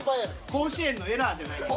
甲子園のエラーじゃないねん。